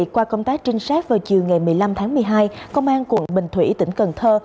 qua công tác trinh sát vào chiều ngày một mươi năm tháng một mươi hai công an quận bình thủy tỉnh cần thơ